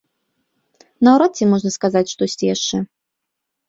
Наўрад ці можна сказаць штосьці яшчэ.